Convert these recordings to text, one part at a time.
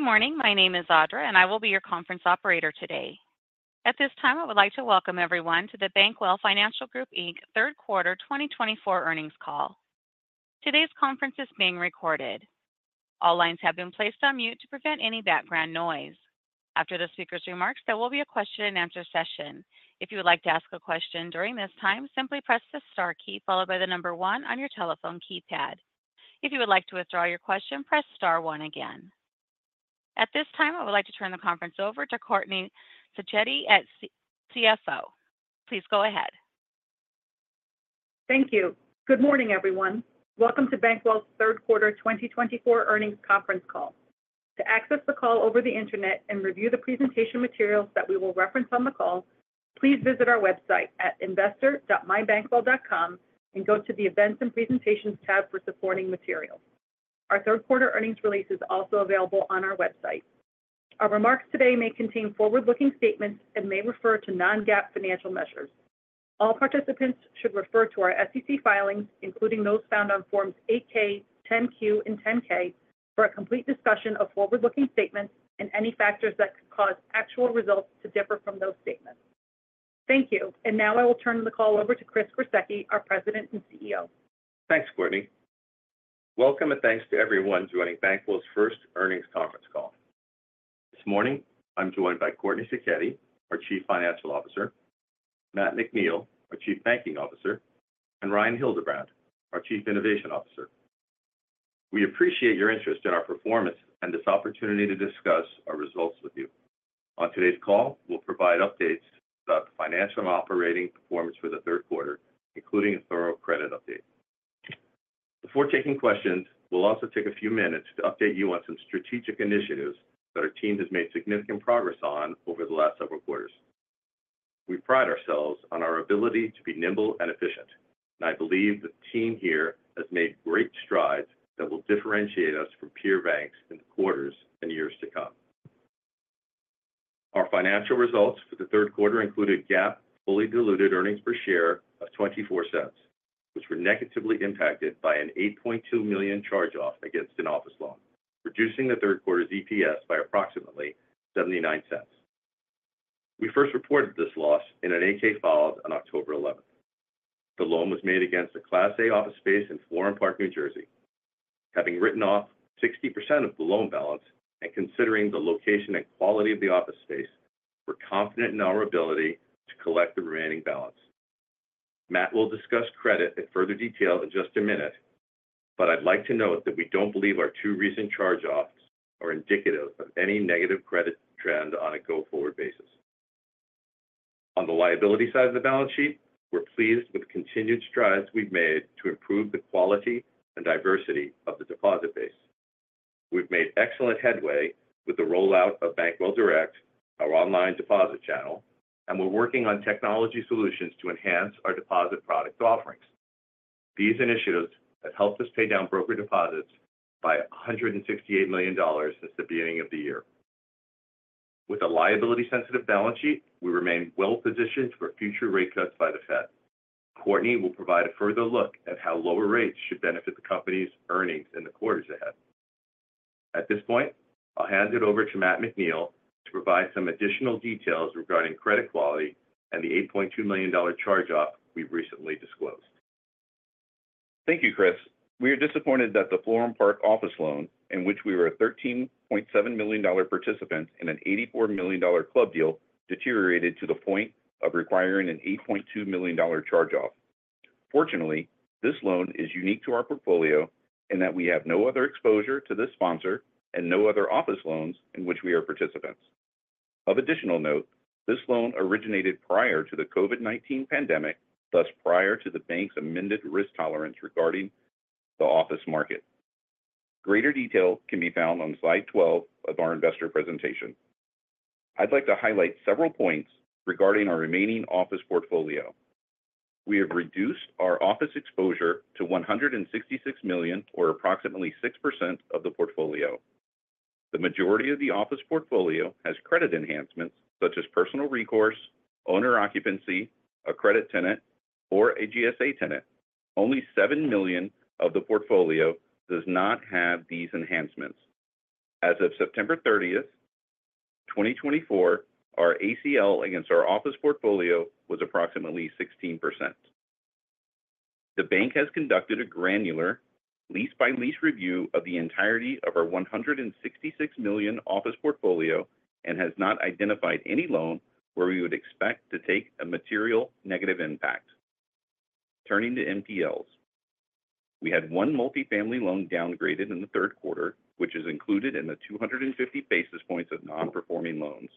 Good morning. My name is Audra, and I will be your conference operator today. At this time, I would like to welcome everyone to the Bankwell Financial Group Inc. Q3 2024 Earnings Call. Today's conference is being recorded. All lines have been placed on mute to prevent any background noise. After the speaker's remarks, there will be a question-and-answer session. If you would like to ask a question during this time, simply press the star key followed by the number one on your telephone keypad. If you would like to withdraw your question, press star one again. At this time, I would like to turn the conference over to Courtney Sacchetti CFO. Please go ahead. Thank you. Good morning, everyone. Welcome to Bankwell's Q3 2024 Earnings Conference Call. To access the call over the internet and review the presentation materials that we will reference on the call, please visit our website at investor.mybankwell.com and go to the Events and Presentations tab for supporting materials. Our Q3 earnings release is also available on our website. Our remarks today may contain forward-looking statements and may refer to non-GAAP financial measures. All participants should refer to our SEC filings, including those found on Forms 8-K, 10-Q, and 10-K, for a complete discussion of forward-looking statements and any factors that could cause actual results to differ from those statements. Thank you, and now I will turn the call over to Chris Gruseke, our President and CEO. Thanks, Courtney. Welcome and thanks to everyone joining Bankwell's first earnings conference call. This morning, I'm joined by Courtney Sacchetti, our Chief Financial Officer, Matthew McNeill, our Chief Banking Officer, and Ryan Hildebrand, our Chief Innovation Officer. We appreciate your interest in our performance and this opportunity to discuss our results with you. On today's call, we'll provide updates about the financial and operating performance for Q3, including a thorough credit update. Before taking questions, we'll also take a few minutes to update you on some strategic initiatives that our team has made significant progress on over the last several quarters. We pride ourselves on our ability to be nimble and efficient, and I believe the team here has made great strides that will differentiate us from peer banks in quarters and years to come. Our financial results for the Q3 included GAAP fully diluted earnings per share of $0.24, which were negatively impacted by an $8.2 million charge-off against an office loan, reducing the Q3's EPS by approximately $0.79. We first reported this loss in an 8-K on October 11. The loan was made against a Class A office space in Florham Park, New Jersey. Having written off 60% of the loan balance and considering the location and quality of the office space, we're confident in our ability to collect the remaining balance. Matt will discuss credit in further detail in just a minute, but I'd like to note that we don't believe our two recent charge-offs are indicative of any negative credit trend on a go-forward basis. On the liability side of the balance sheet, we're pleased with continued strides we've made to improve the quality and diversity of the deposit base. We've made excellent headway with the rollout of Bankwell Direct, our online deposit channel, and we're working on technology solutions to enhance our deposit product offerings. These initiatives have helped us pay down broker deposits by $168 million since the beginning of the year. With a liability-sensitive balance sheet, we remain well-positioned for future rate cuts by the Fed. Courtney will provide a further look at how lower rates should benefit the company's earnings in the quarters ahead. At this point, I'll hand it over to Matt McNeill to provide some additional details regarding credit quality and the $8.2 million charge-off we've recently disclosed. Thank you, Chris. We are disappointed that the Florham Park office loan, in which we were a $13.7 million participant in an $84 million club deal, deteriorated to the point of requiring an $8.2 million charge-off. Fortunately, this loan is unique to our portfolio in that we have no other exposure to this sponsor and no other office loans in which we are participants. Of additional note, this loan originated prior to the COVID-19 pandemic, thus prior to the bank's amended risk tolerance regarding the office market. Greater detail can be found on slide 12 of our investor presentation. I'd like to highlight several points regarding our remaining office portfolio. We have reduced our office exposure to $166 million, or approximately 6% of the portfolio. The majority of the office portfolio has credit enhancements such as personal recourse, owner occupancy, a credit tenant, or a GSA tenant. Only $7 million of the portfolio does not have these enhancements. As of September 30, 2024, our ACL against our office portfolio was approximately 16%. The bank has conducted a granular lease-by-lease review of the entirety of our $166 million office portfolio and has not identified any loan where we would expect to take a material negative impact. Turning to NPLs, we had one multifamily loan downgraded in the Q3, which is included in the 250 basis points of non-performing loans.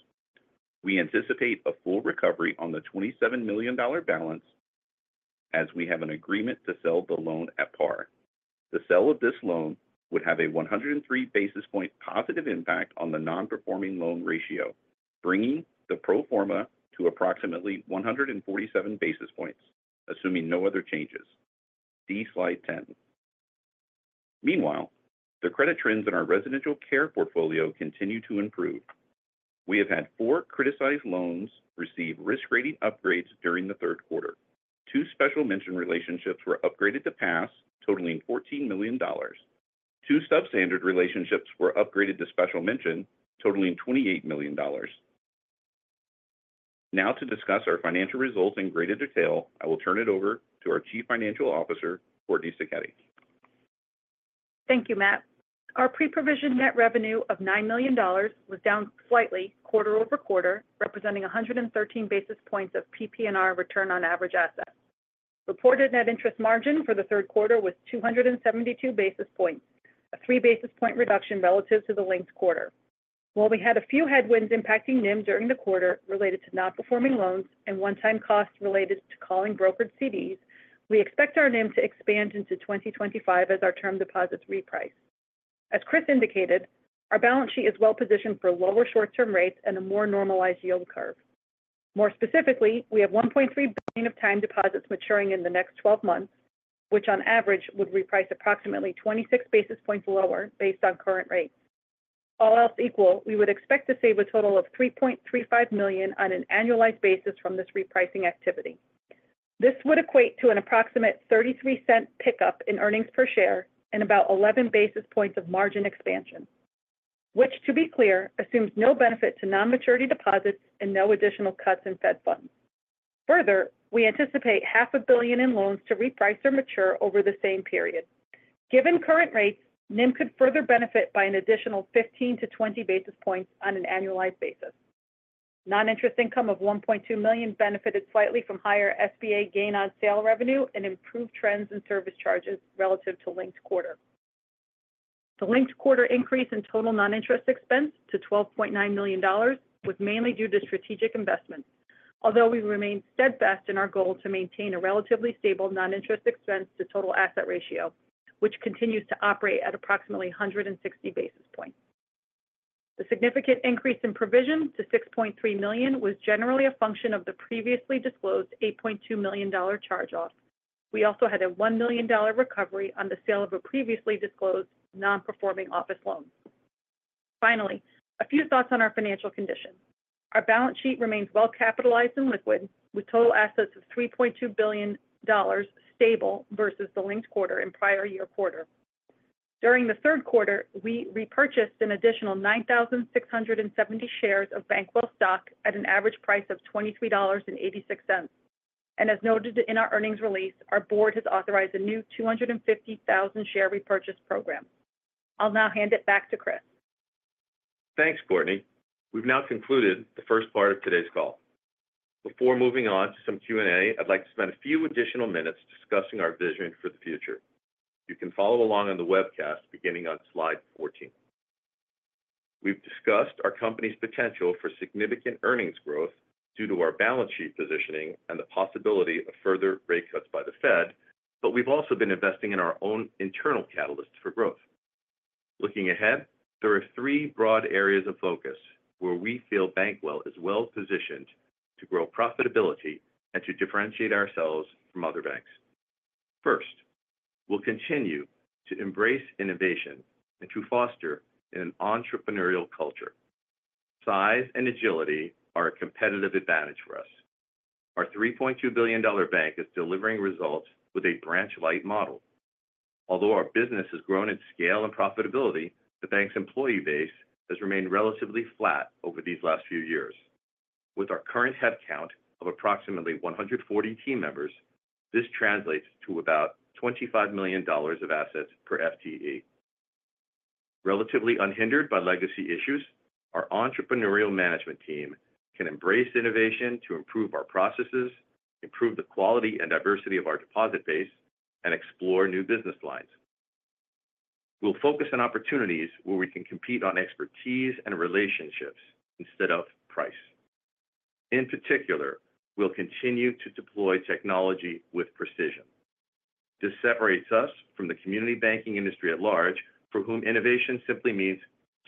We anticipate a full recovery on the $27 million balance as we have an agreement to sell the loan at par. The sale of this loan would have a 103 basis point positive impact on the non-performing loan ratio, bringing the pro forma to approximately 147 basis points, assuming no other changes. See slide 10. Meanwhile, the credit trends in our residential care portfolio continue to improve. We have had four criticized loans receive risk-rated upgrades during Q3. Two special mention relationships were upgraded to pass, totaling $14 million. Two substandard relationships were upgraded to special mention, totaling $28 million. Now, to discuss our financial results in greater detail, I will turn it over to our Chief Financial Officer, Courtney Sacchetti. Thank you, Matt. Our pre-provision net revenue of $9 million was down slightly quarter over quarter, representing 113 basis points of PPNR return on average assets. Reported net interest margin for the Q3 was 272 basis points, a three-basis-point reduction relative to the linked quarter. While we had a few headwinds impacting NIM during the quarter related to non-performing loans and one-time costs related to calling brokered CDs, we expect our NIM to expand into 2025 as our term deposits reprice. As Chris indicated, our balance sheet is well-positioned for lower short-term rates and a more normalized yield curve. More specifically, we have $1.3 billion of time deposits maturing in the next 12 months, which on average would reprice approximately 26 basis points lower based on current rates. All else equal, we would expect to save a total of $3.35 million on an annualized basis from this repricing activity. This would equate to an approximate $0.33 pickup in earnings per share and about 11 basis points of margin expansion, which, to be clear, assumes no benefit to non-maturity deposits and no additional cuts in Fed funds. Further, we anticipate $500 million in loans to reprice or mature over the same period. Given current rates, NIM could further benefit by an additional 15-20 basis points on an annualized basis. Non-interest income of $1.2 million benefited slightly from higher SBA gain-on-sale revenue and improved trends in service charges relative to linked quarter. The linked quarter increase in total non-interest expense to $12.9 million was mainly due to strategic investments, although we remained steadfast in our goal to maintain a relatively stable non-interest expense to total asset ratio, which continues to operate at approximately 160 basis points. The significant increase in provision to $6.3 million was generally a function of the previously disclosed $8.2 million charge-off. We also had a $1 million recovery on the sale of a previously disclosed non-performing office loan. Finally, a few thoughts on our financial condition. Our balance sheet remains well-capitalized and liquid, with total assets of $3.2 billion stable versus the linked quarter and prior year quarter. During Q3, we repurchased an additional 9,670 shares of Bankwell stock at an average price of $23.86. And as noted in our earnings release, our board has authorized a new 250,000-share repurchase program. I'll now hand it back to Chris. Thanks, Courtney. We've now concluded the first part of today's call. Before moving on to some Q&A, I'd like to spend a few additional minutes discussing our vision for the future. You can follow along on the webcast beginning on slide 14. We've discussed our company's potential for significant earnings growth due to our balance sheet positioning and the possibility of further rate cuts by the Fed, but we've also been investing in our own internal catalysts for growth. Looking ahead, there are three broad areas of focus where we feel Bankwell is well-positioned to grow profitability and to differentiate ourselves from other banks. First, we'll continue to embrace innovation and to foster an entrepreneurial culture. Size and agility are a competitive advantage for us. Our $3.2 billion bank is delivering results with a branch-lite model. Although our business has grown in scale and profitability, the bank's employee base has remained relatively flat over these last few years. With our current headcount of approximately 140 team members, this translates to about $25 million of assets per FTE. Relatively unhindered by legacy issues, our entrepreneurial management team can embrace innovation to improve our processes, improve the quality and diversity of our deposit base, and explore new business lines. We'll focus on opportunities where we can compete on expertise and relationships instead of price. In particular, we'll continue to deploy technology with precision. This separates us from the community banking industry at large, for whom innovation simply means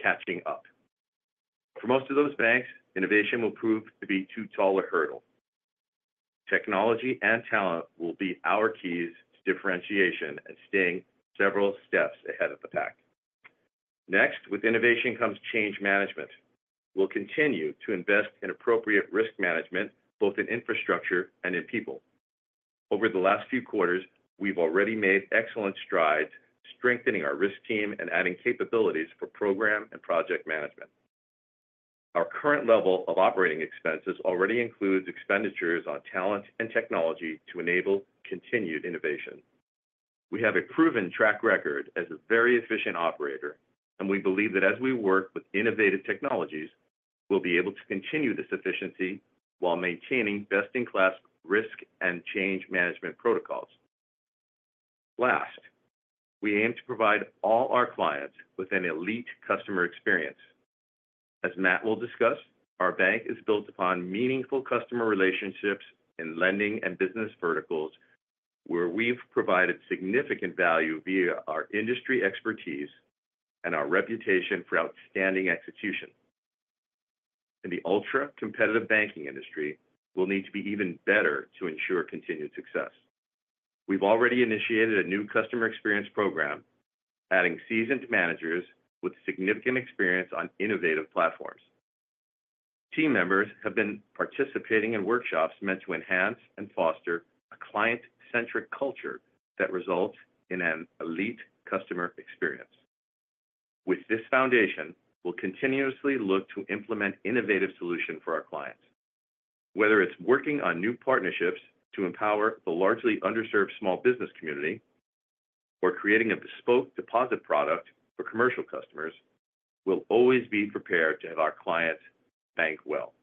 catching up. For most of those banks, innovation will prove to be too tall a hurdle. Technology and talent will be our keys to differentiation and staying several steps ahead of the pack. Next, with innovation comes change management. We'll continue to invest in appropriate risk management, both in infrastructure and in people. Over the last few quarters, we've already made excellent strides strengthening our risk team and adding capabilities for program and project management. Our current level of operating expenses already includes expenditures on talent and technology to enable continued innovation. We have a proven track record as a very efficient operator, and we believe that as we work with innovative technologies, we'll be able to continue this efficiency while maintaining best-in-class risk and change management protocols. Last, we aim to provide all our clients with an elite customer experience. As Matt will discuss, our bank is built upon meaningful customer relationships in lending and business verticals where we've provided significant value via our industry expertise and our reputation for outstanding execution. In the ultra-competitive banking industry, we'll need to be even better to ensure continued success. We've already initiated a new customer experience program, adding seasoned managers with significant experience on innovative platforms. Team members have been participating in workshops meant to enhance and foster a client-centric culture that results in an elite customer experience. With this foundation, we'll continuously look to implement innovative solutions for our clients. Whether it's working on new partnerships to empower the largely underserved small business community or creating a bespoke deposit product for commercial customers, we'll always be prepared to have our clients bank well.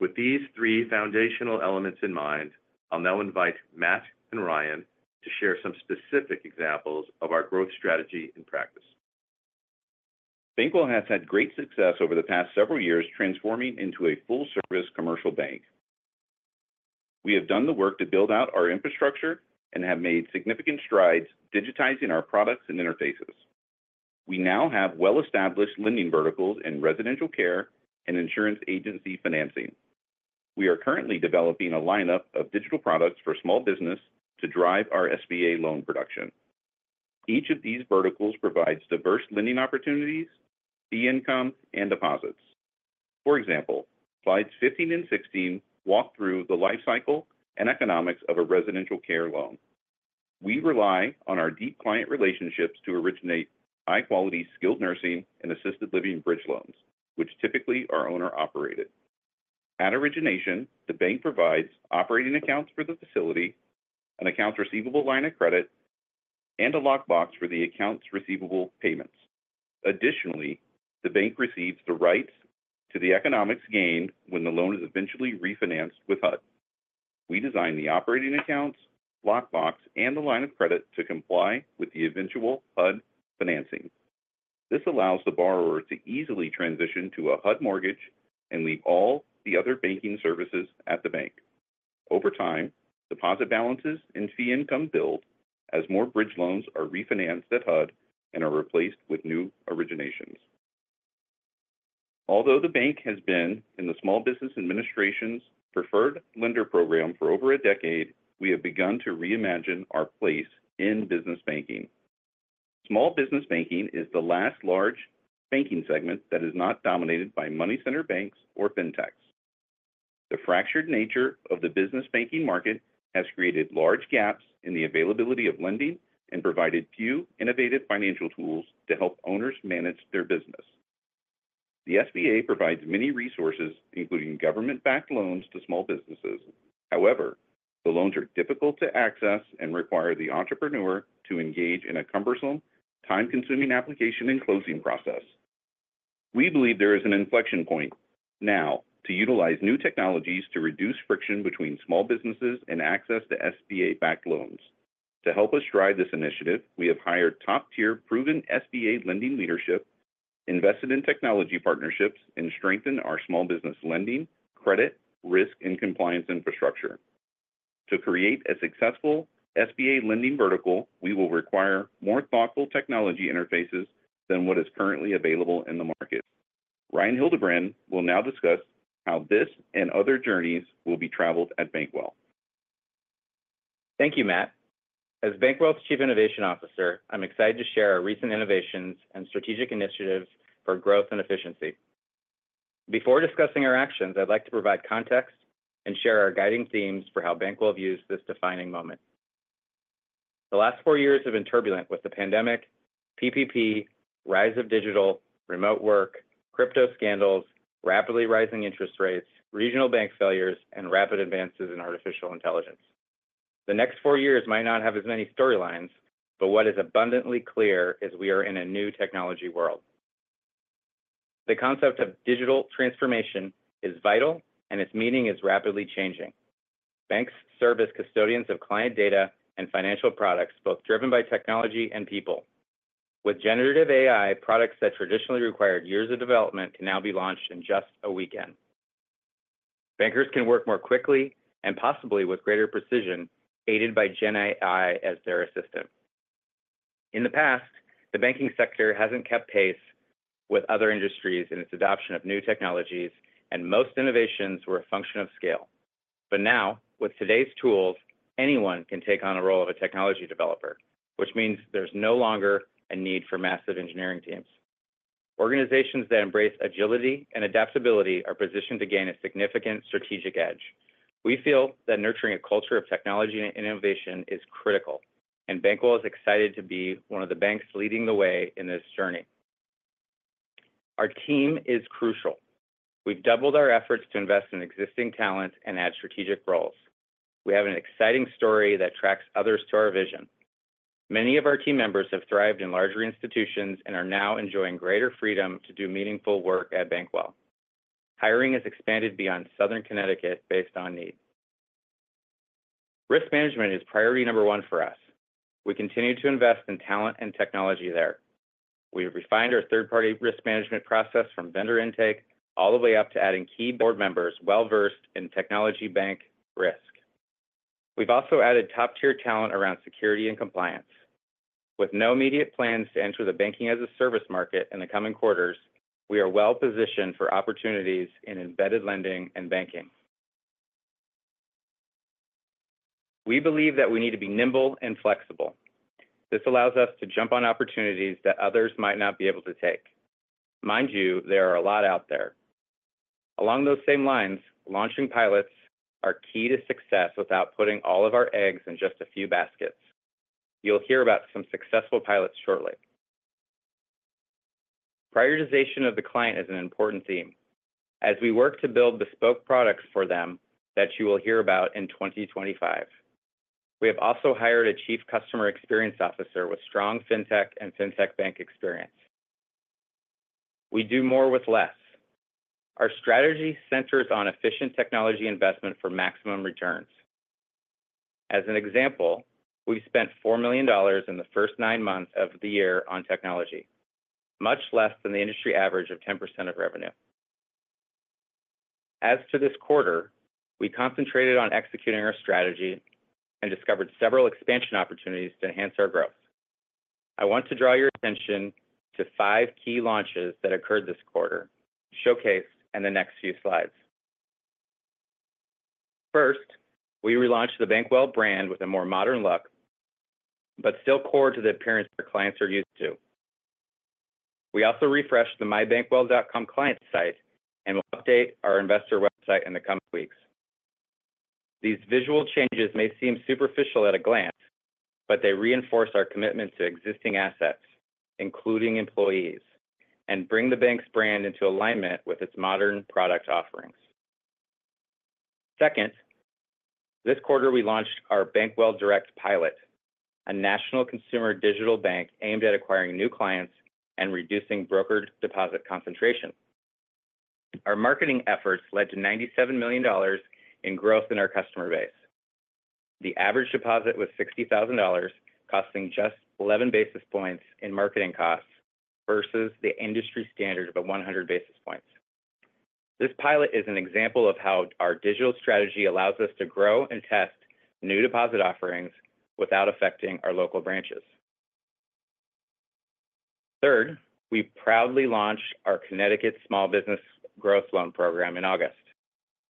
With these three foundational elements in mind, I'll now invite Matt and Ryan to share some specific examples of our growth strategy and practice. Bankwell has had great success over the past several years transforming into a full-service commercial bank. We have done the work to build out our infrastructure and have made significant strides digitizing our products and interfaces. We now have well-established lending verticals in residential care and insurance agency financing. We are currently developing a lineup of digital products for small business to drive our SBA loan production. Each of these verticals provides diverse lending opportunities, fee income, and deposits. For example, slides 15 and 16 walk through the life cycle and economics of a residential care loan. We rely on our deep client relationships to originate high-quality skilled nursing and assisted living bridge loans, which typically are owner-operated. At origination, the bank provides operating accounts for the facility, an accounts receivable line of credit, and a lockbox for the accounts receivable payments. Additionally, the bank receives the rights to the economics gained when the loan is eventually refinanced with HUD. We design the operating accounts, lockbox, and the line of credit to comply with the eventual HUD financing. This allows the borrower to easily transition to a HUD mortgage and leave all the other banking services at the bank. Over time, deposit balances and fee income build as more bridge loans are refinanced at HUD and are replaced with new originations. Although the bank has been in the Small Business Administration's preferred lender program for over a decade, we have begun to reimagine our place in business banking. Small business banking is the last large banking segment that is not dominated by money center banks or fintechs. The fractured nature of the business banking market has created large gaps in the availability of lending and provided few innovative financial tools to help owners manage their business. The SBA provides many resources, including government-backed loans to small businesses. However, the loans are difficult to access and require the entrepreneur to engage in a cumbersome, time-consuming application and closing process. We believe there is an inflection point now to utilize new technologies to reduce friction between small businesses and access to SBA-backed loans. To help us drive this initiative, we have hired top-tier proven SBA lending leadership, invested in technology partnerships, and strengthened our small business lending, credit, risk, and compliance infrastructure. To create a successful SBA lending vertical, we will require more thoughtful technology interfaces than what is currently available in the market. Ryan Hildebrand will now discuss how this and other journeys will be travelled at Bankwell. Thank you, Matt. As Bankwell's Chief Innovation Officer, I'm excited to share our recent innovations and strategic initiatives for growth and efficiency. Before discussing our actions, I'd like to provide context and share our guiding themes for how Bankwell views this defining moment. The last four years have been turbulent with the pandemic, PPP, rise of digital, remote work, crypto scandals, rapidly rising interest rates, regional bank failures, and rapid advances in artificial intelligence. The next four years might not have as many storylines, but what is abundantly clear is we are in a new technology world. The concept of digital transformation is vital, and its meaning is rapidly changing. Banks serve as custodians of client data and financial products, both driven by technology and people. With generative AI, products that traditionally required years of development can now be launched in just a weekend. Bankers can work more quickly and possibly with greater precision, aided by GenAI as their assistant. In the past, the banking sector hasn't kept pace with other industries in its adoption of new technologies, and most innovations were a function of scale. But now, with today's tools, anyone can take on the role of a technology developer, which means there's no longer a need for massive engineering teams. Organizations that embrace agility and adaptability are positioned to gain a significant strategic edge. We feel that nurturing a culture of technology and innovation is critical, and Bankwell is excited to be one of the banks leading the way in this journey. Our team is crucial. We've doubled our efforts to invest in existing talent and add strategic roles. We have an exciting story that tracks others to our vision. Many of our team members have thrived in larger institutions and are now enjoying greater freedom to do meaningful work at Bankwell. Hiring has expanded beyond Southern Connecticut based on need. Risk management is priority number one for us. We continue to invest in talent and technology there. We've refined our third-party risk management process from vendor intake all the way up to adding key board members well-versed in technology bank risk. We've also added top-tier talent around security and compliance. With no immediate plans to enter the banking as a service market in the coming quarters, we are well-positioned for opportunities in embedded lending and banking. We believe that we need to be nimble and flexible. This allows us to jump on opportunities that others might not be able to take. Mind you, there are a lot out there. Along those same lines, launching pilots is key to success without putting all of our eggs in just a few baskets. You'll hear about some successful pilots shortly. Prioritization of the client is an important theme. As we work to build bespoke products for them that you will hear about in 2025, we have also hired a Chief Customer Experience Officer with strong fintech and fintech bank experience. We do more with less. Our strategy centers on efficient technology investment for maximum returns. As an example, we've spent $4 million in the first nine months of the year on technology, much less than the industry average of 10% of revenue. As for this quarter, we concentrated on executing our strategy and discovered several expansion opportunities to enhance our growth. I want to draw your attention to five key launches that occurred this quarter, showcased in the next few slides. First, we relaunched the Bankwell brand with a more modern look, but still core to the appearance our clients are used to. We also refreshed the mybankwell.com client site and will update our investor website in the coming weeks. These visual changes may seem superficial at a glance, but they reinforce our commitment to existing assets, including employees, and bring the bank's brand into alignment with its modern product offerings. Second, this quarter, we launched our Bankwell Direct pilot, a national consumer digital bank aimed at acquiring new clients and reducing brokered deposit concentration. Our marketing efforts led to $97 million in growth in our customer base. The average deposit was $60,000, costing just 11 basis points in marketing costs versus the industry standard of 100 basis points. This pilot is an example of how our digital strategy allows us to grow and test new deposit offerings without affecting our local branches. Third, we proudly launched our Connecticut Small Business Growth Loan Program in August.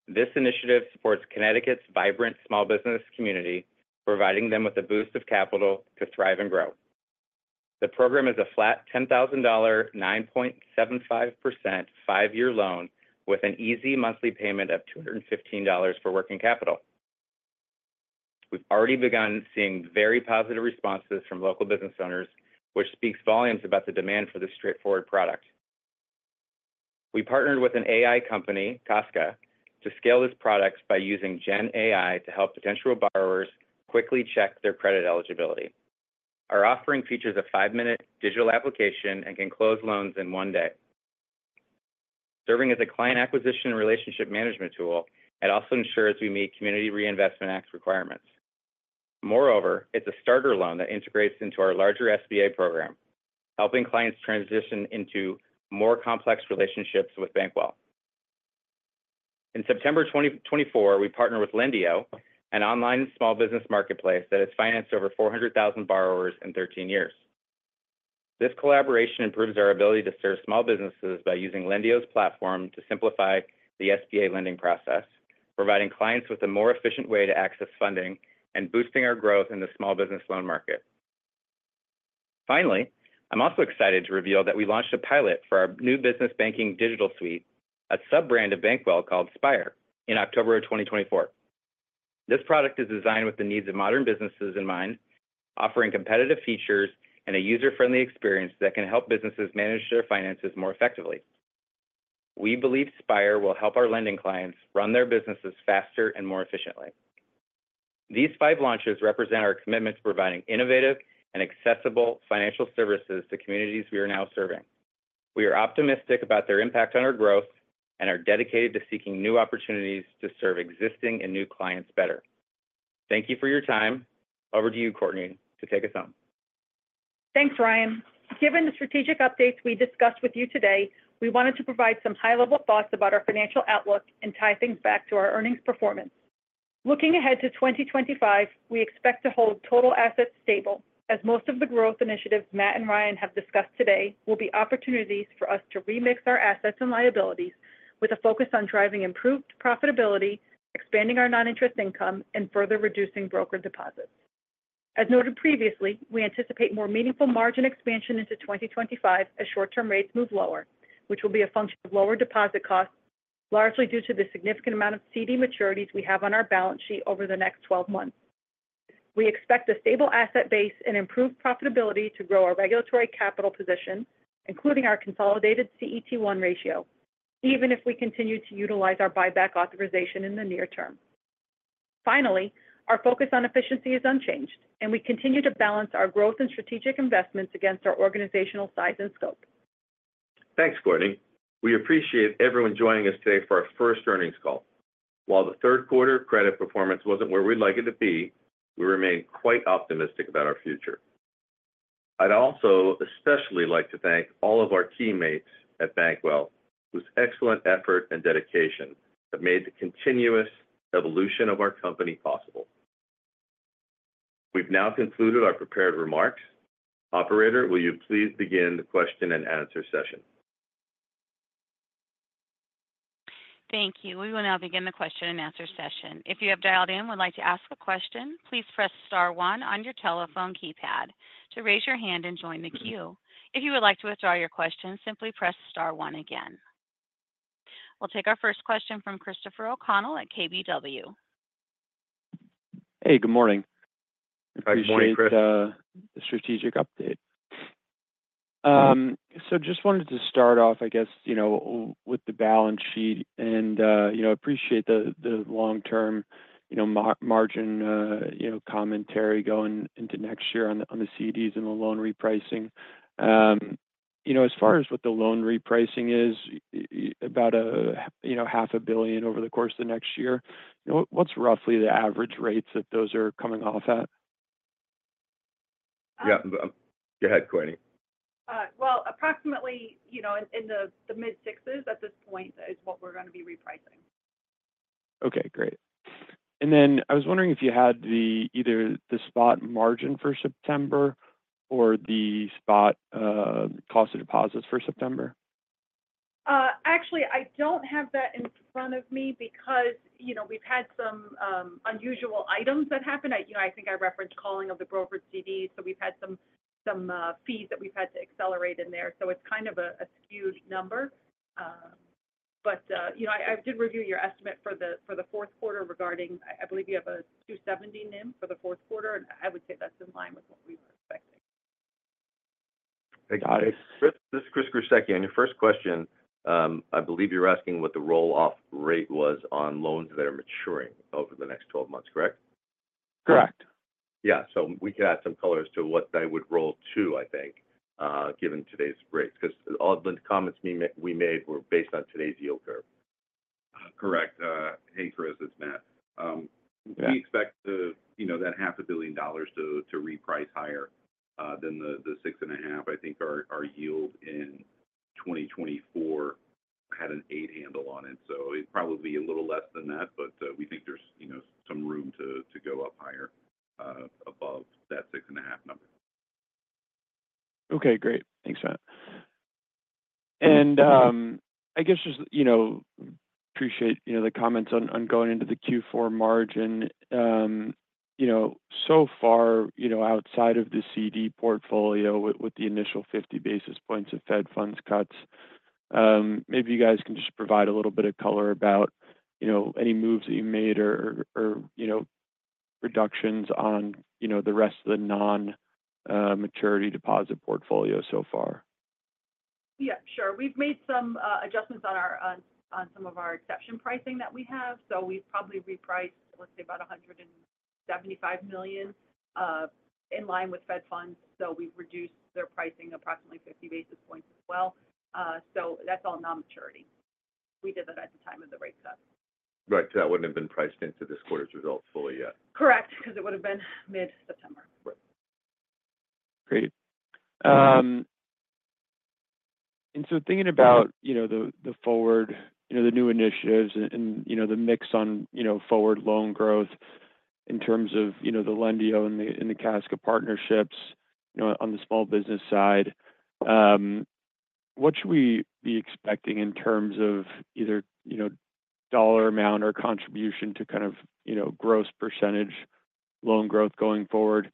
This initiative supports Connecticut's vibrant small business community, providing them with a boost of capital to thrive and grow. The program is a flat $10,000, 9.75% five-year loan with an easy monthly payment of $215 for working capital. We've already begun seeing very positive responses from local business owners, which speaks volumes about the demand for this straightforward product. We partnered with an AI company, Casca, to scale this product by using GenAI to help potential borrowers quickly check their credit eligibility. Our offering features a five-minute digital application and can close loans in one day. Serving as a client acquisition and relationship management tool, it also ensures we meet Community Reinvestment Act requirements. Moreover, it's a starter loan that integrates into our larger SBA program, helping clients transition into more complex relationships with Bankwell. In September 2024, we partnered with Lendio, an online small business marketplace that has financed over 400,000 borrowers in 13 years. This collaboration improves our ability to serve small businesses by using Lendio's platform to simplify the SBA lending process, providing clients with a more efficient way to access funding and boosting our growth in the small business loan market. Finally, I'm also excited to reveal that we launched a pilot for our new business banking digital suite, a sub-brand of Bankwell called Spire, in October of 2024. This product is designed with the needs of modern businesses in mind, offering competitive features and a user-friendly experience that can help businesses manage their finances more effectively. We believe Spire will help our lending clients run their businesses faster and more efficiently. These five launches represent our commitment to providing innovative and accessible financial services to communities we are now serving. We are optimistic about their impact on our growth and are dedicated to seeking new opportunities to serve existing and new clients better. Thank you for your time. Over to you, Courtney, to take us home. Thanks, Ryan. Given the strategic updates we discussed with you today, we wanted to provide some high-level thoughts about our financial outlook and tie things back to our earnings performance. Looking ahead to 2025, we expect to hold total assets stable, as most of the growth initiatives Matt and Ryan have discussed today will be opportunities for us to remix our assets and liabilities with a focus on driving improved profitability, expanding our non-interest income, and further reducing brokered deposits. As noted previously, we anticipate more meaningful margin expansion into 2025 as short-term rates move lower, which will be a function of lower deposit costs, largely due to the significant amount of CD maturities we have on our balance sheet over the next 12 months. We expect a stable asset base and improved profitability to grow our regulatory capital position, including our consolidated CET1 ratio, even if we continue to utilize our buyback authorization in the near term. Finally, our focus on efficiency is unchanged, and we continue to balance our growth and strategic investments against our organizational size and scope. Thanks, Courtney. We appreciate everyone joining us today for our first earnings call. While the third-quarter credit performance wasn't where we'd like it to be, we remain quite optimistic about our future. I'd also especially like to thank all of our teammates at Bankwell, whose excellent effort and dedication have made the continuous evolution of our company possible. We've now concluded our prepared remarks. Operator, will you please begin the question and answer session? Thank you. We will now begin the question and answer session. If you have dialed in, would like to ask a question, please press star one on your telephone keypad to raise your hand and join the queue. If you would like to withdraw your question, simply press star one again. We'll take our first question from Christopher O'Connell at KBW. Hey, good morning. Good morning. Good morning. With the strategic update. Yeah. So just wanted to start off, I guess, you know, with the balance sheet and, you know, appreciate the long-term, you know, margin, you know, commentary going into next year on the CDs and the loan repricing. You know, as far as what the loan repricing is, about $500 million over the course of the next year, you know, what's roughly the average rates that those are coming off at? Yeah. Go ahead, Courtney. Approximately, you know, in the mid-sixes at this point is what we're going to be repricing. Okay. Great. And then I was wondering if you had either the spot margin for September or the spot cost of deposits for September? Actually, I don't have that in front of me because, you know, we've had some unusual items that happened. You know, I think I referenced calling of the brokered CDs, so we've had some fees that we've had to accelerate in there. So it's kind of a skewed number. But, you know, I did review your estimate for the Q4 regarding, I believe you have a 270 NIM for the Q4, and I would say that's in line with what we were expecting. Hey, guys. This is Christopher Gruseke. And your first question, I believe you're asking what the roll-off rate was on loans that are maturing over the next 12 months, correct? Correct. Yeah. So we could add some colors to what they would roll to, I think, given today's rates, because all the comments we made were based on today's yield curve. Correct. Hey, Chris, it's Matt. Yeah. We expect the, you know, that $500 million to reprice higher than the six and a half. I think our yield in 2024 had an eight handle on it, so it'd probably be a little less than that, but we think there's, you know, some room to go up higher above that six and a half number. Okay. Great. Thanks, Matt. And I guess just, you know, appreciate, you know, the comments on going into the Q4 margin. You know, so far, you know, outside of the CD portfolio with the initial 50 basis points of Fed funds cuts, maybe you guys can just provide a little bit of color about, you know, any moves that you made or, you know, reductions on, you know, the rest of the non-maturity deposit portfolio so far. Yeah, sure. We've made some adjustments on some of our exception pricing that we have. So we've probably repriced, let's say, about $175 million in line with Fed funds. So we've reduced their pricing approximately 50 basis points as well. So that's all non-maturity. We did that at the time of the rate cut. Right. So that wouldn't have been priced into this quarter's results fully yet. Correct, because it would have been mid-September. Right. Great. And so thinking about, you know, the forward, you know, the new initiatives and, you know, the mix on, you know, forward loan growth in terms of, you know, the Lendio and the Casca partnerships, you know, on the small business side, what should we be expecting in terms of either, you know, dollar amount or contribution to kind of, you know, gross percentage loan growth going forward?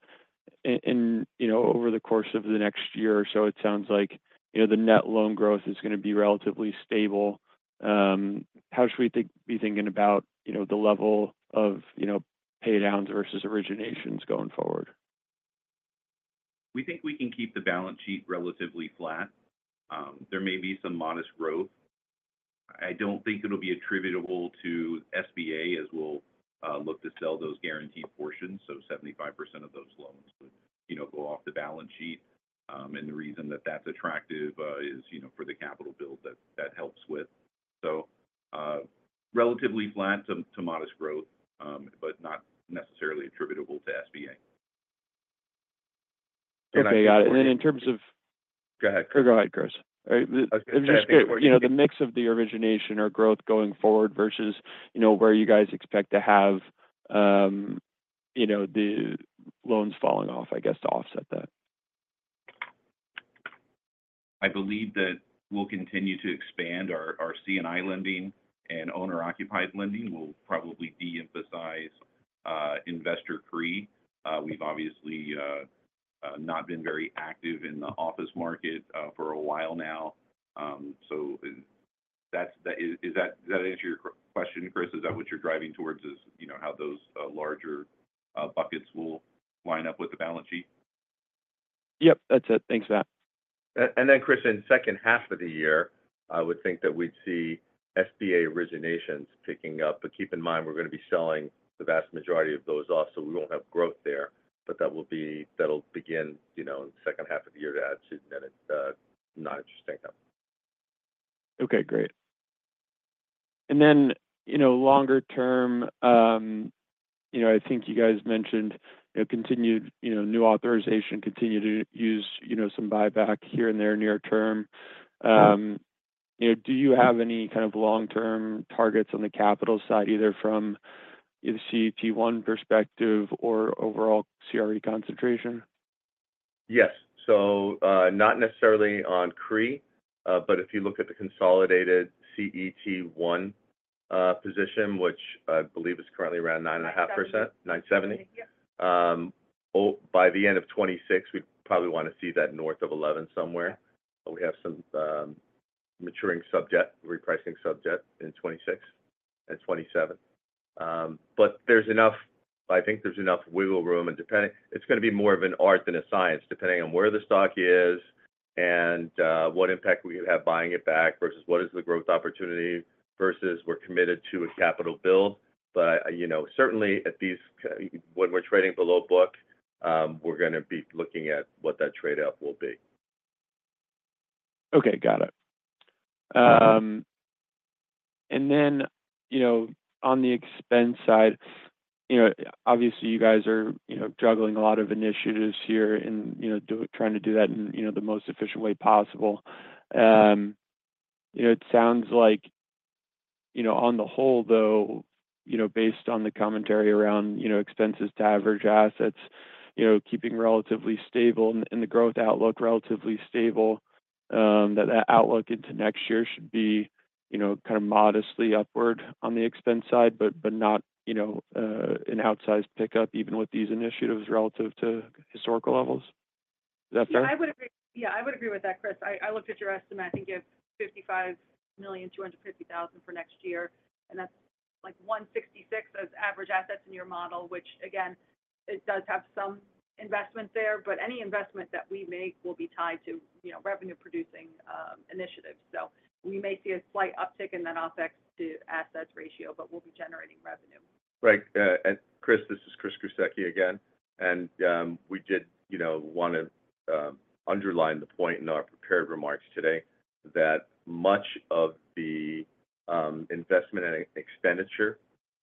And, you know, over the course of the next year or so, it sounds like, you know, the net loan growth is going to be relatively stable. How should we be thinking about, you know, the level of, you know, paydowns versus originations going forward? We think we can keep the balance sheet relatively flat. There may be some modest growth. I don't think it'll be attributable to SBA as we'll look to sell those guaranteed portions. So 75% of those loans would, you know, go off the balance sheet. And the reason that that's attractive is, you know, for the capital build that helps with. So relatively flat to modest growth, but not necessarily attributable to SBA. Okay. Got it. And then in terms of. Go ahead. Go ahead, Chris. All right. It was just, you know, the mix of the origination or growth going forward versus, you know, where you guys expect to have, you know, the loans falling off, I guess, to offset that. I believe that we'll continue to expand our C&I lending and owner-occupied lending. We'll probably de-emphasize investor CRE. We've obviously not been very active in the office market for a while now. So, is that? Does that answer your question, Chris? Is that what you're driving towards is, you know, how those larger buckets will line up with the balance sheet? Yep. That's it. Thanks, Matt. Then, Chris, in the second half of the year, I would think that we'd see SBA originations picking up. But keep in mind, we're going to be selling the vast majority of those off, so we won't have growth there. But that will begin in the second half of the year to add to net non-interest income. Okay. Great. And then, you know, longer term, you know, I think you guys mentioned, you know, continued, you know, new authorization, continue to use, you know, some buyback here and there near term. Right. You know, do you have any kind of long-term targets on the capital side, either from the CET1 perspective or overall CRE concentration? Yes. So not necessarily on CRE, but if you look at the consolidated CET1 position, which I believe is currently around 9.5%, 9.70%. By the end of 2026, we probably want to see that north of 11% somewhere. We have some maturing sub debt, repricing sub debt in 2026 and 2027. But there's enough. I think there's enough wiggle room. And it's going to be more of an art than a science, depending on where the stock is and what impact we could have buying it back versus what is the growth opportunity versus we're committed to a capital build. But, you know, certainly at these. When we're trading below book, we're going to be looking at what that tradeout will be. Okay. Got it. And then, you know, on the expense side, you know, obviously you guys are, you know, juggling a lot of initiatives here and, you know, trying to do that in, you know, the most efficient way possible. You know, it sounds like, you know, on the whole, though, you know, based on the commentary around, you know, expenses to average assets, you know, keeping relatively stable and the growth outlook relatively stable, that that outlook into next year should be, you know, kind of modestly upward on the expense side, but not, you know, an outsized pickup even with these initiatives relative to historical levels. Is that fair? Yeah. I would agree with that, Chris. I looked at your estimate. I think you have $55,250,000 for next year, and that's like 166 as average assets in your model, which, again, it does have some investment there. But any investment that we make will be tied to, you know, revenue-producing initiatives. So we may see a slight uptick in that OpEx to assets ratio, but we'll be generating revenue. Right. And Chris, this is Chris Gruseke again. And we did, you know, want to underline the point in our prepared remarks today that much of the investment and expenditure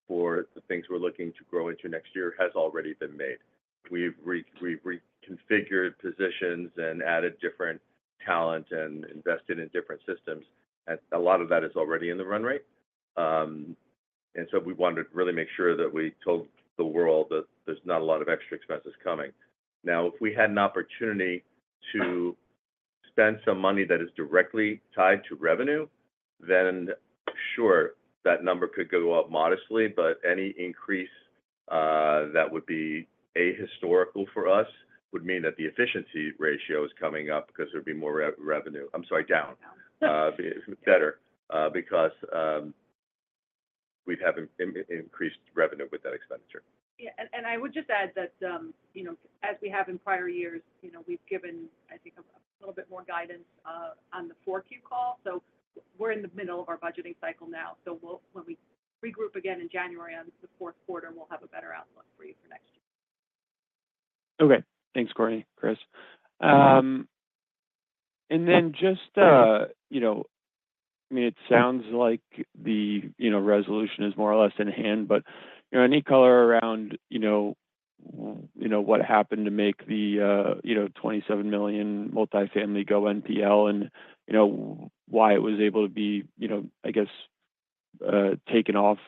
for the things we're looking to grow into next year has already been made. We've reconfigured positions and added different talent and invested in different systems. And a lot of that is already in the run rate. And so we wanted to really make sure that we told the world that there's not a lot of extra expenses coming. Now, if we had an opportunity to spend some money that is directly tied to revenue, then sure, that number could go up modestly. But any increase that would be ahistorical for us would mean that the efficiency ratio is coming up because there'd be more revenue. I'm sorry, down, better, because we'd have increased revenue with that expenditure. Yeah. And I would just add that, you know, as we have in prior years, you know, we've given, I think, a little bit more guidance on the Q4 call. So we're in the middle of our budgeting cycle now. So when we regroup again in January on the Q4, we'll have a better outlook for you for next year. Okay. Thanks, Courtney, Chris. And then just, you know, I mean, it sounds like the, you know, resolution is more or less in hand, but, you know, any color around, you know, you know, what happened to make the, you know, $27 million multifamily go NPL and, you know, why it was able to be, you know, I guess, taken off,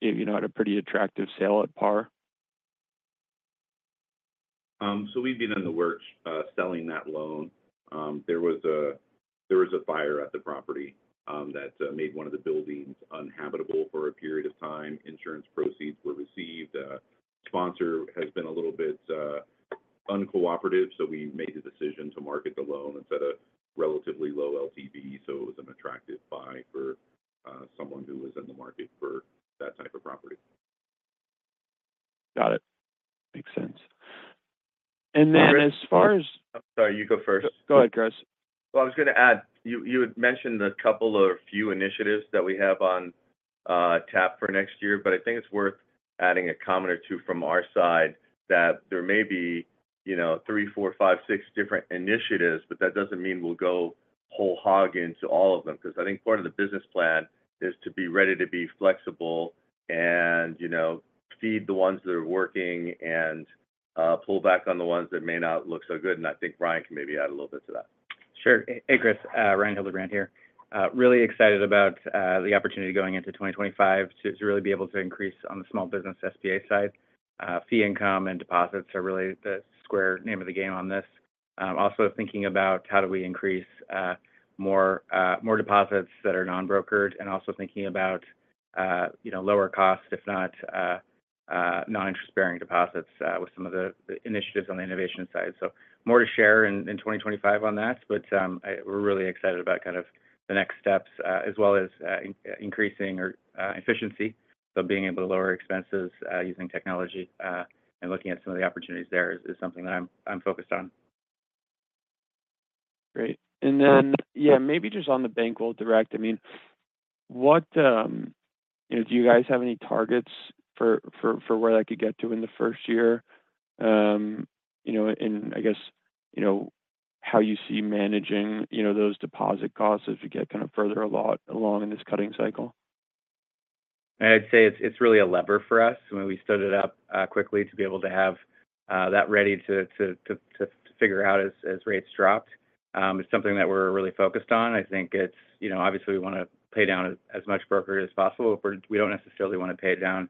you know, at a pretty attractive sale at par? So we've been in the works selling that loan. There was a fire at the property that made one of the buildings uninhabitable for a period of time. Insurance proceeds were received. Sponsor has been a little bit uncooperative, so we made the decision to market the loan at a relatively low LTV. So it was an attractive buy for someone who was in the market for that type of property. Got it. Makes sense. And then as far as. Sorry, you go first. Go ahead, Chris. I was going to add, you had mentioned a couple of few initiatives that we have on tap for next year, but I think it's worth adding a comment or two from our side that there may be, you know, three, four, five, six different initiatives, but that doesn't mean we'll go whole hog into all of them, because I think part of the business plan is to be ready to be flexible and, you know, feed the ones that are working and pull back on the ones that may not look so good. I think Ryan can maybe add a little bit to that. Sure. Hey, Chris. Ryan Hildebrand here. Really excited about the opportunity going into 2025 to really be able to increase on the small business SBA side. Fee income and deposits are really the name of the game on this. Also thinking about how do we increase more deposits that are non-brokered and also thinking about, you know, lower cost, if not non-interest-bearing deposits with some of the initiatives on the innovation side. So more to share in 2025 on that, but we're really excited about kind of the next steps as well as increasing efficiency. So being able to lower expenses using technology and looking at some of the opportunities there is something that I'm focused on. Great, and then, yeah, maybe just on the Bankwell Direct. I mean, what, you know, do you guys have any targets for where that could get to in the first year? You know, and I guess, you know, how you see managing, you know, those deposit costs as we get kind of further along in this cutting cycle? I'd say it's really a lever for us. I mean, we stood it up quickly to be able to have that ready to figure out as rates dropped. It's something that we're really focused on. I think it's, you know, obviously we want to pay down as much brokerage as possible. We don't necessarily want to pay it down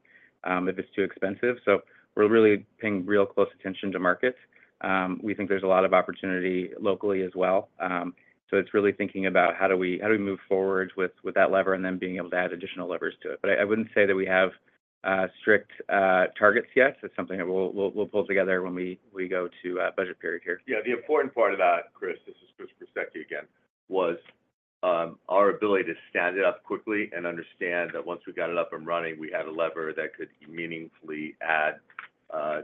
if it's too expensive. So we're really paying real close attention to markets. We think there's a lot of opportunity locally as well. So it's really thinking about how do we move forward with that lever and then being able to add additional levers to it. But I wouldn't say that we have strict targets yet. It's something that we'll pull together when we go to budget period here. Yeah. The important part of that, Chris, this is Chris Gruseke again, was our ability to stand it up quickly and understand that once we got it up and running, we had a lever that could meaningfully add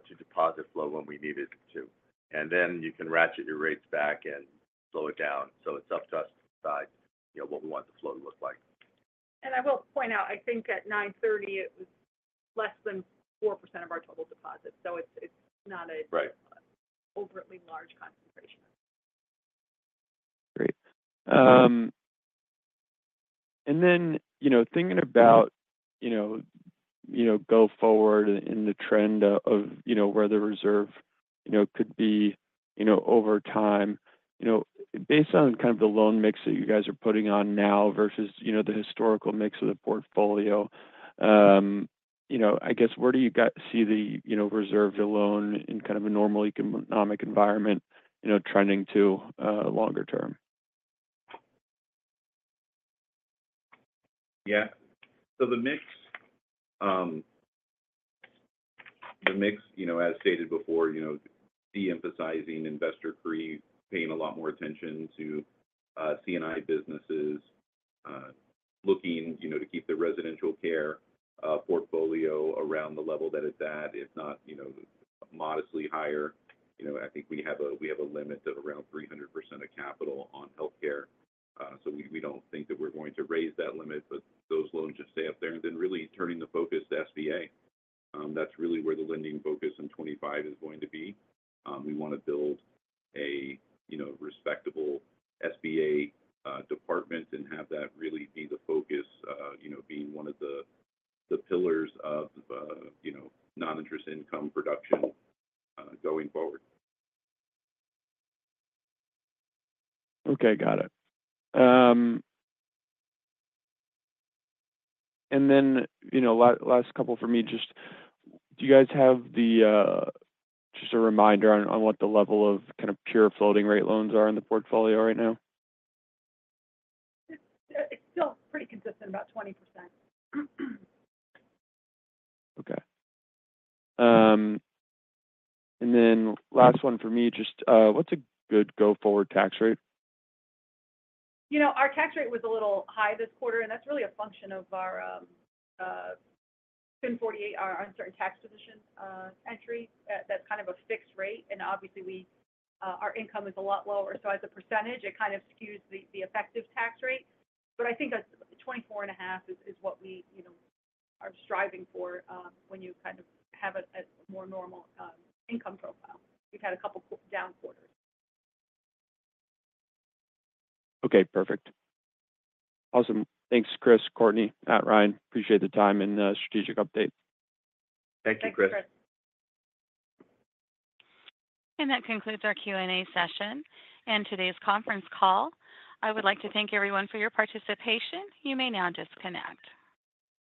to deposit flow when we needed to, and then you can ratchet your rates back and slow it down, so it's up to us to decide, you know, what we want the flow to look like. I will point out, I think at 9/30, it was less than 4% of our total deposits. It's not an overtly large concentration. Great. And then, you know, thinking about, you know, go forward in the trend of, you know, where the reserve, you know, could be, you know, over time, you know, based on kind of the loan mix that you guys are putting on now versus, you know, the historical mix of the portfolio, you know, I guess, where do you see the, you know, reserve to loan in kind of a normal economic environment, you know, trending to longer term? Yeah. So the mix, you know, as stated before, you know, de-emphasizing investor CRE, paying a lot more attention to C&I businesses, looking, you know, to keep the residential care portfolio around the level that it's at, if not, you know, modestly higher. You know, I think we have a limit of around 300% of capital on healthcare. So we don't think that we're going to raise that limit, but those loans just stay up there. And then really turning the focus to SBA, that's really where the lending focus in 2025 is going to be. We want to build a, you know, respectable SBA department and have that really be the focus, you know, being one of the pillars of, you know, non-interest income production going forward. Okay. Got it. And then, you know, last couple for me, just do you guys have a reminder on what the level of kind of pure floating rate loans are in the portfolio right now? It's still pretty consistent, about 20%. Okay. And then last one for me, just what's a good go-forward tax rate? You know, our tax rate was a little high this quarter, and that's really a function of our FIN 48, our uncertain tax position entry. That's kind of a fixed rate. And obviously, our income is a lot lower. So as a percentage, it kind of skews the effective tax rate. But I think 24.5% is what we, you know, are striving for when you kind of have a more normal income profile. We've had a couple down quarters. Okay. Perfect. Awesome. Thanks, Chris, Courtney, Ryan. Appreciate the time and the strategic update. Thank you, Chris. Thanks, Chris. And that concludes our Q&A session and today's conference call. I would like to thank everyone for your participation. You may now disconnect.